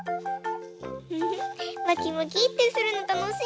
フフまきまきってするのたのしい！